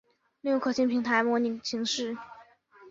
利用可信平台模块形式。